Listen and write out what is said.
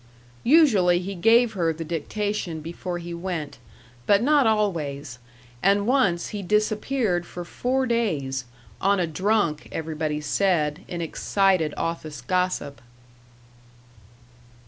Usually he gave her the dictation before he went. But not always. And once he disappeared for four days on a drunk, everybody said, in excited office gossip.